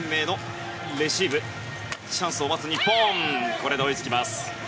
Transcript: これで追いつきます。